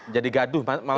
jadi gaduh malah jadi isu ya